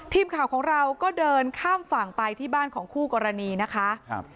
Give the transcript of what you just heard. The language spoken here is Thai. ทีมข่าวของเราก็เดินข้ามฝั่งไปที่บ้านของคู่กรณีนะคะครับ